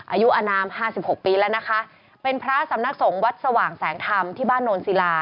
อายุอนามห้าสิบหกปีแล้วนะคะเป็นพระสำนักสงฆ์วัดสว่างแสงธรรมที่บ้านโนนศิลา